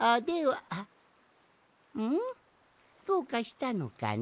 どうかしたのかね？